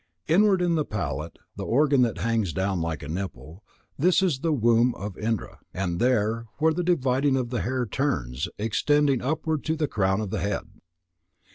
Inward, in the palate, the organ that hangs down like a nipple, this is the womb of Indra. And there, where the dividing of the hair turns, extending upward to the crown of the head."